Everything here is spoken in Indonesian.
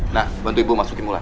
nah bantu ibu masukin mula